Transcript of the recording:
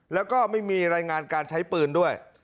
แล้วก็ไม่มีรายงานการใช้ปืนด้วย